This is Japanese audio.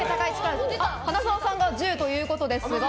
花澤さんが１０ということですが。